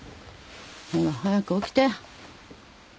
ほら早く起きて。